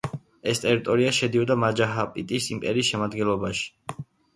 ეს ტერიტორია შედიოდა მაჯაპაჰიტის იმპერიის შემადგენლობაში.